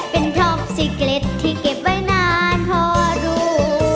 เป็นทองสี่เกล็ดที่เก็บไว้นานพอรู้